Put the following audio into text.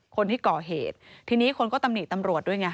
คนที่ก่อเหตุทีนี้คนก็ตำหนิตำรวจด้วยไง